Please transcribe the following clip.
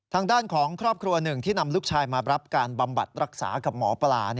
ทางด้านของครอบครัวหนึ่งที่นำลูกชายมารับการบำบัดรักษากับหมอปลา